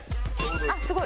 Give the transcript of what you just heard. あっすごい！